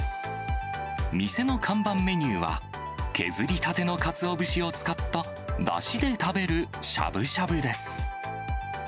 店の看板メニューは、削りたてのかつお節を使っただしで食べるしゃぶしゃぶです。